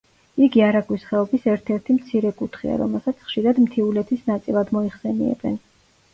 იგი არაგვის ხეობის ერთ-ერთი მცირე კუთხეა, რომელსაც ხშირად მთიულეთის ნაწილად მოიხსენიებენ.